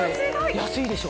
安いでしょ？